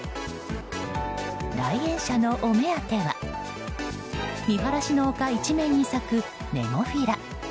来園者のお目当ては見晴らしの丘一面に咲くネモフィラ。